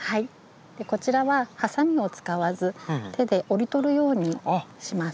こちらははさみを使わず手で折り取るようにします。